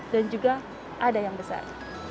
dan juga ada yang besar